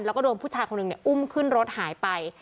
แล้วก็โดนผู้ชายคนหนึ่งอุ้มขึ้นรถหายไป